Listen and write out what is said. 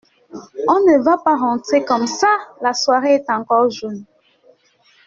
On ne va pas rentrer comme ça, la soirée est encore jeune.